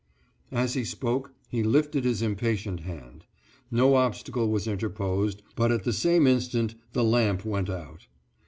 As he spoke he lifted his impatient hand. No obstacle was interposed but at the same instant the lap went out.